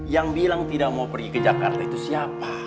yang bilang tidak mau pergi ke jakarta itu siapa